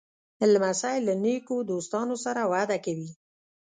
لمسی له نیکو دوستانو سره وده کوي.